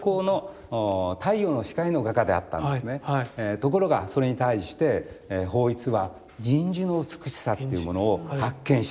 ところがそれに対して抱一は銀地の美しさっていうものを発見した。